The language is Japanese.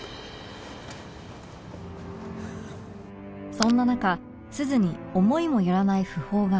そんな中鈴に思いもよらない訃報が